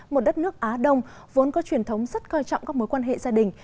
một đất nước á đông vốn có truyền thống rất coi trọng các mối quan hệ gia đình